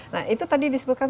nah itu tadi disebutkan